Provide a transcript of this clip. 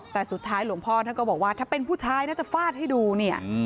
แต่สุดท้ายหลวงพ่อท่านก็บอกว่าถ้าเป็นผู้ชายน่าจะฟาดให้ดูเนี่ย